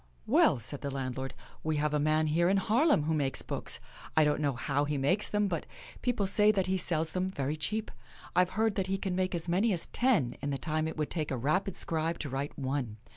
" Well," said the landlord, " we have a man here in Haarlem who makes books. I don't know how he makes them, but people say that he sells them very cheap. I've heard that he can make as many as ten in the time it would take a rapid scribe to write one.